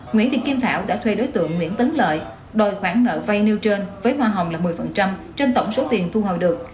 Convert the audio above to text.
nguyễn thị kim thảo đã thuê đối tượng nguyễn tấn lợi đòi khoản nợ vay nêu trên với hoa hồng là một mươi trên tổng số tiền thu hồi được